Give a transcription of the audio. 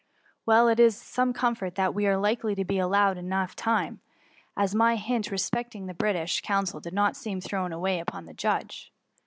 ^^^ Well, it is some comfort that we are likely tx> be allowed time enough, as my hint respect ing the British consul did not seem thrown away upon the judge.